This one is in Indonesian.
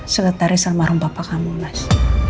sekretaris sama rumpah kamu mas